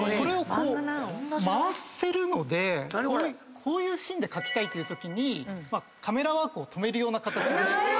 こういうシーンで描きたいっていうときにカメラワークを止めるような形で。